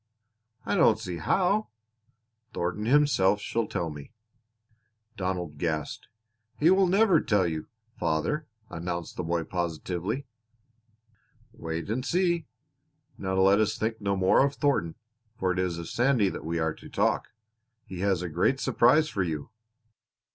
"I don't see how." "Thornton himself shall tell me." Donald gasped. "He never will tell you, father!" announced the boy positively. "Wait and see. Now let us think no more of Thornton, for it is of Sandy that we are to talk. He has a great surprise for you."